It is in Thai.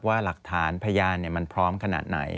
ว่าหลักฐานพยานมันพร้อมขนาดไหน